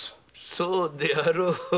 そうであろう。